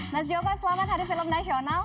mas joko selamat hari film nasional